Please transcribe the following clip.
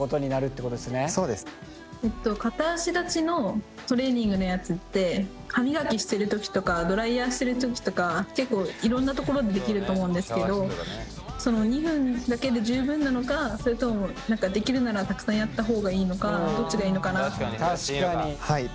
片足立ちのトレーニングのやつって歯磨きしてる時とかドライヤーしてる時とか結構いろんな所でできると思うんですけどその２分だけで十分なのかそれともできるならたくさんやった方がいいのかどっちがいいのかなって。